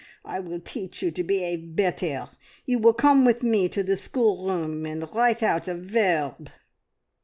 I will teach you to be'ave better. You will come with me to the schoolroom and write out a verrrb!"